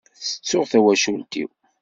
Tttuɣ d tawacult-iw.